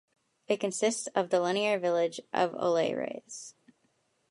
It consists of the linear village of Oleyres.